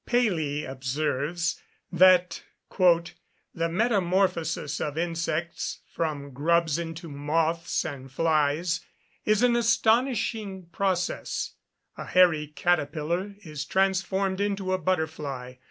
] Paley observes, that "the metamorphosis of insects from grubs into moths and flies, is an astonishing process. A hairy caterpillar is transformed into a butterfly.